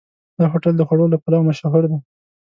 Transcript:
دا هوټل د خوړو له پلوه مشهور دی.